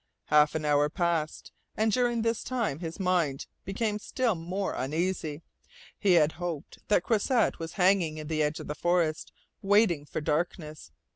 Half an hour passed, and during this time his mind became still more uneasy. He had hoped that Croisset was hanging in the edge of the forest, waiting for darkness.